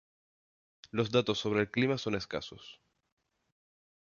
Los datos sobre el clima son escasos.